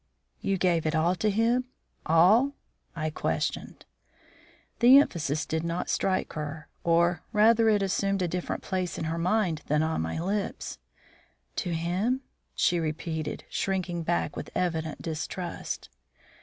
"You gave it all to him, all?" I questioned. The emphasis did not strike her, or rather it assumed a different place in her mind than on my lips. "To him?" she repeated, shrinking back with evident distrust.